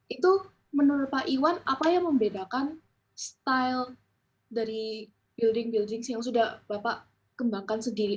itu menurut pak iwan apa yang membedakan style dari building building yang sudah bapak kembangkan sendiri